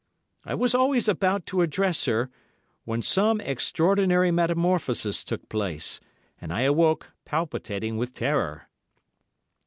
I was always about to address her, when some extraordinary metamorphosis took place, and I awoke, palpitating with terror.